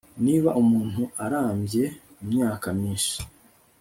niba umuntu arambye imyaka myinshi